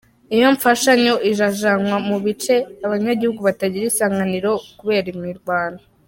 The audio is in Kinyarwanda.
Iyo mfashanyo irajanwa mu bice abanyagihugu batagira isaganirizo kubera imirwano.